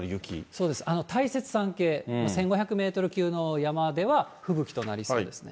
そうです、大雪山系、１５００メートル級の山では、吹雪となりそうです。